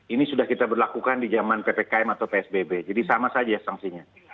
ini sudah kita berlakukan di zaman ppkm atau psbb jadi sama saja sanksinya